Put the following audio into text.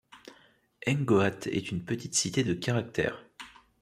Hengoat est une petite cité de caractère.